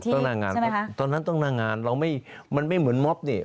หน้างานตอนนั้นต้องหน้างานเราไม่มันไม่เหมือนม็อบเนี่ย